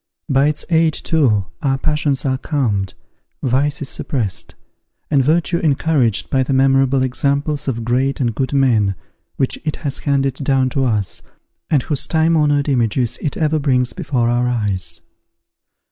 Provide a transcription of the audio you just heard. By its aid, too, our passions are calmed, vice is suppressed, and virtue encouraged by the memorable examples of great and good men which it has handed down to us, and whose time honoured images it ever brings before our eyes.